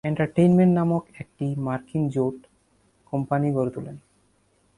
Entertainment নামক একটি মার্কিন জোট কোম্পানি গড়ে তুলেন।